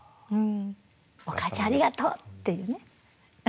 「おかあちゃんありがとう」っていうね。